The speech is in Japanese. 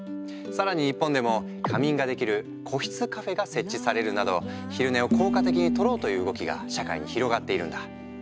更に日本でも仮眠ができる個室カフェが設置されるなど昼寝を効果的にとろうという動きが社会に広がっているんだ。